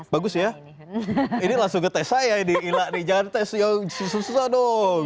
bagus ya ini langsung ke tes saya ini jangan tes yang susah dong